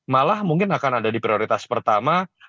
malah mungkin akan ada di prioritas pertama